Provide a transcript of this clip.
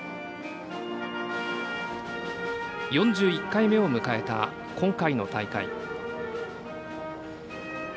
４１回目を迎えた、今回の大会。